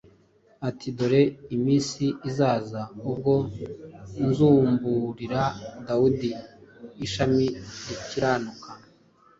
i ati: “Dore iminsi izaza, ubwo nzumburira Dawidi Ishami rikiranuka,